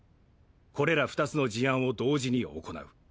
これら２つの事案を同時に行う。